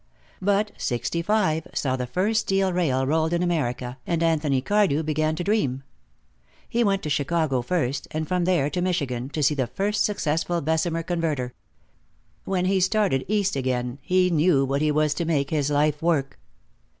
But "sixty five" saw the first steel rail rolled in America, and Anthony Cardew began to dream. He went to Chicago first, and from there to Michigan, to see the first successful Bessemer converter. When he started east again he knew what he was to make his life work.